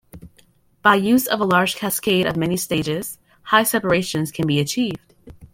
By use of a large cascade of many stages, high separations can be achieved.